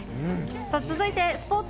さあ、続いてスポーツ